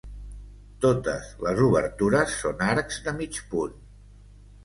Totes les obertures són arcs de mig punt.